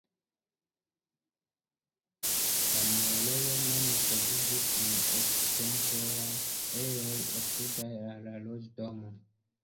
La muelejo mem troviĝis en okcidentaj ejoj apudaj al la loĝdomo.